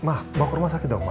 ma mau ke rumah sakit dong ma